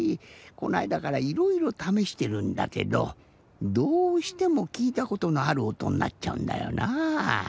このあいだからいろいろためしてるんだけどどうしてもきいたことのあるおとになっちゃうんだよなぁ。